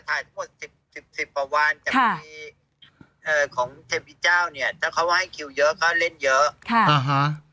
อ๋อถ่ายหมด๑๐ประวันจากที่เออของเทวีเจ้าเนี่ยถ้าเขาว่าให้คิวเยอะเขาเล่นเยอะ